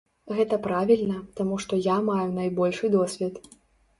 Гэта правільна, таму што я маю найбольшы досвед.